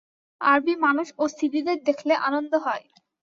আরবী মানুষ ও সিদিদের দেখলে আনন্দ হয়।